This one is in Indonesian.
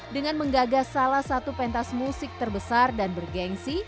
dengan menggagas salah satu pentas musik terbesar dan bergensi